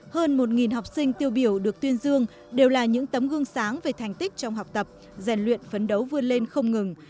hơn một học sinh tiêu biểu được tuyên dương đều là những tấm gương sáng về thành tích trong học tập rèn luyện phấn đấu vươn lên không ngừng